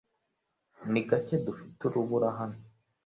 Ni gake dufite urubura hano .